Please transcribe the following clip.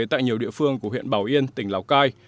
tại nhiều địa phương của huyện bảo yên tỉnh lào cai